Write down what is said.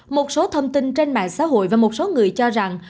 một số thông tin trên mạng xã hội và một số người cho rằng